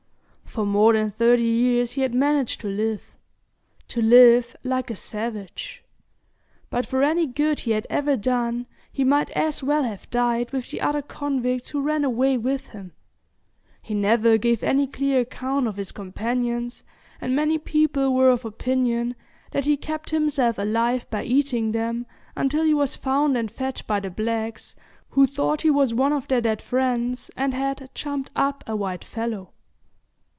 For more than thirty years he had managed to live to live like a savage; but for any good he had ever done he might as well have died with the other convicts who ran away with him. He never gave any clear account of his companions, and many people were of opinion that he kept himself alive by eating them, until he was found and fed by the blacks, who thought he was one of their dead friends, and had "jumped up a white fellow."